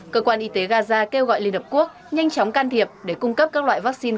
cơ quan y tế gaza kêu gọi liên hợp quốc nhanh chóng can thiệp để cung cấp các loại vaccine